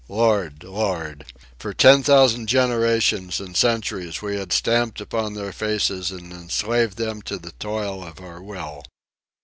Lord! Lord! For ten thousand generations and centuries we had stamped upon their faces and enslaved them to the toil of our will.